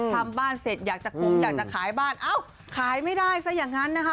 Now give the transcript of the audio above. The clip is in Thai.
ทำบ้านเสร็จอยากจะคุ้มอยากจะขายบ้านเอ้าขายไม่ได้ซะอย่างนั้นนะคะ